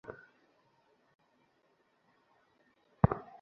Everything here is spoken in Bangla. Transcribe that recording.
আমি আপনিই যাচ্ছি।